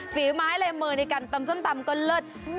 ฝีไม้อะไรเหมือนกันตำส้มตำก็เลิศ